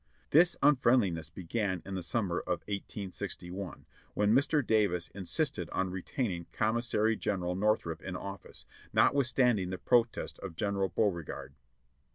This unfriendliness began in the summer of 1861, when Mr. Davis insisted on retaining Commissary General Northrup in office, notwithstanding the protest of General Beauregard.